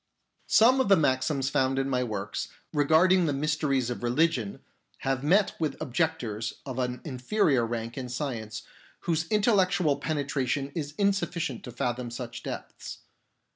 Some of the maxims found in my works re garding the mysteries of religion have met with objectors of an inferior rank in science, whose intellectual penetration is insufficient to fathom such depths.